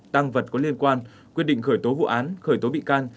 tăng vật có liên quan quyết định khởi tố vụ án khởi tố bị can